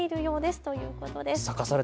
ということです。